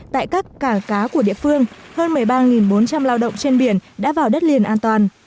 tại các cảng cá của địa phương hơn một mươi ba bốn trăm linh lao động trên biển đã vào đất liền an toàn